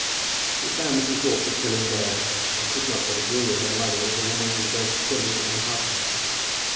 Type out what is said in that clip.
She found Mrs. Broughton still in bed, and could not but agree with her mother that the woman was both silly and heartless.